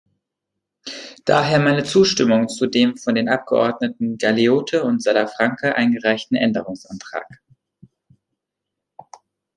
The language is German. Daher meine Zustimmung zu dem von den Abgeordneten Galeote und Salafranca eingereichten Änderungsantrag.